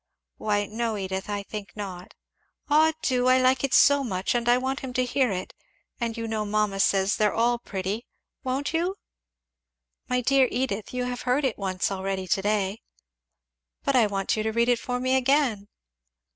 "Why no, Edith, I think not." "Ah do! I like it so much, and I want him to hear it, and you know mamma says they're all pretty. Won't you?" "My dear Edith, you have heard it once already to day." "But I want you to read it for me again."